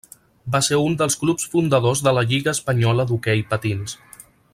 Va ser un dels clubs fundadors de la Lliga espanyola d'hoquei patins.